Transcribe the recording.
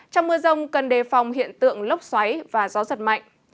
trong mưa rông cần đề phòng hiện tượng lốc xoáy và gió giật mạnh